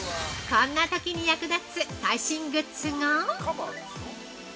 ◆こんなときに役立つ最新グッズが。